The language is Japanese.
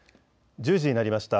１０時になりました。